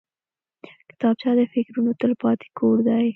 کتابچه د فکرونو تلپاتې کور دی